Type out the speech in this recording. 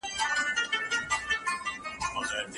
پیغمبرانو خلګو ته د خدای لارښووني رسولي دي.